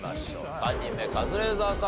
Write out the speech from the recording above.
３人目カズレーザーさん